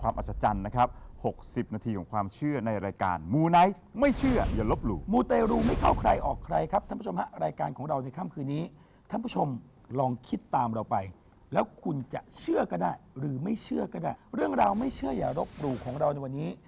ไม่เชื่ออย่ารกหลู่ของเราในวันนี้